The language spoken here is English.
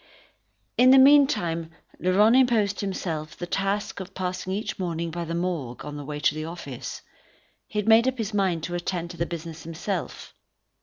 In the meantime Laurent imposed on himself the task of passing each morning by the Morgue, on the way to his office. He had made up his mind to attend to the business himself.